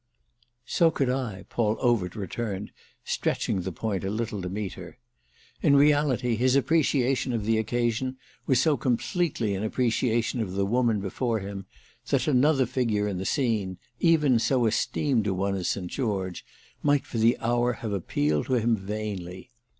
"So could I," Paul Overt returned, stretching the point a little to meet her. In reality his appreciation of the occasion was so completely an appreciation of the woman before him that another figure in the scene, even so esteemed a one as St. George, might for the hour have appealed to him vainly.